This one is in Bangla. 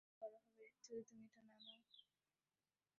আমাকে অপমান করা হবে যদি তুমি এটা না নেও।